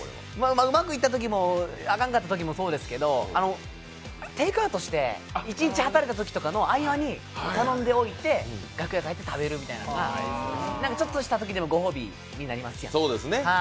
うまくいったときも、あかんかったときもそうですけど、テイクアウトして一日働いたときとかの合間に食べるのが、ちょっとしたときでもご褒美になりますやん。